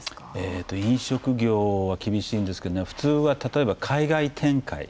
えっと飲食業は厳しいんですけど普通は例えば海外展開。